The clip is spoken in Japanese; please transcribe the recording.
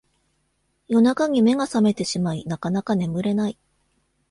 夜中に目が覚めてしまいなかなか眠れない